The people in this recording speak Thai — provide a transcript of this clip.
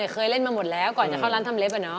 เคยเล่นมาหมดแล้วก่อนจะเข้าร้านทำเล็บ